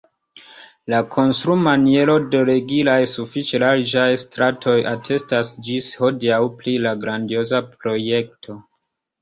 La konstrumaniero de regulaj, sufiĉe larĝaj stratoj atestas ĝis hodiaŭ pri la grandioza projekto.